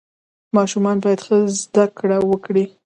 ماشومان باید ښه زده کړه وکړي.